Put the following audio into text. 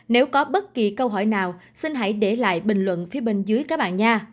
nếu có bất kỳ câu hỏi nào xin hãy để lại bình luận phía bên dưới các bạn nha